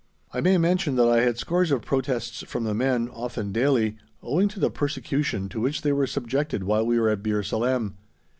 I may mention that I had scores of protests from the men, often daily, owing to the persecution to which they were subjected while we were at Bir Salem.